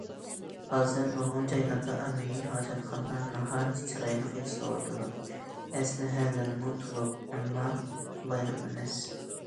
ھازىر نۇرغۇن جايلاردا ئاممىۋى ھاجەتخانىلار ناھايىتى چىرايلىق ياسىلىۋاتىدۇ، ئەسلىھەلىرىمۇ تولۇق، ئەمما قولايلىق ئەمەس.